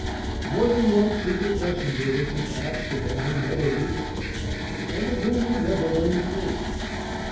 More than one secret messenger was despatched to him who never reached him, and of whom we never learned the fate.